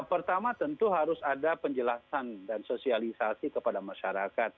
pertama tentu harus ada penjelasan dan sosialisasi kepada masyarakat